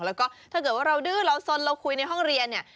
แล้วก็ถ้าเกิดว่าเราดื้อเราสนเราคุยในห้องเรียนเนี่ย